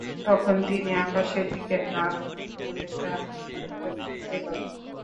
তখন তিনি আকাশের দিকে হাত উঁচু করে তা আমার উপর রাখতে লাগলেন।